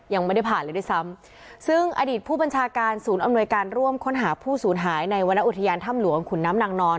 ยังไม่ได้ผ่านเลยด้วยซ้ำซึ่งอดีตผู้บัญชาการศูนย์อำนวยการร่วมค้นหาผู้สูญหายในวรรณอุทยานถ้ำหลวงขุนน้ำนางนอน